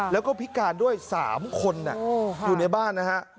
แล้วก็พิการด้วย๓คนอยู่ในบ้านนะฮะ